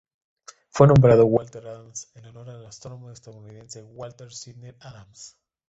Fue nombrado Walter Adams en honor al astrónomo estadounidense Walter Sydney Adams.